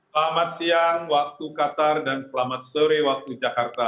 selamat siang waktu qatar dan selamat sore waktu jakarta